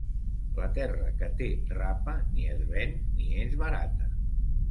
La terra que té rapa, ni es ven ni es barata.